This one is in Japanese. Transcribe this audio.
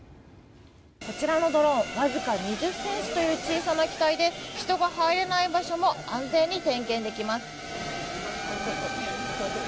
こちらのドローンわずか２０ｃｍという小さな機体で人が入れない場所も安全に点検できます。